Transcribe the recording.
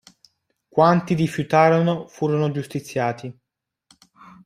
Quanti rifiutarono furono giustiziati.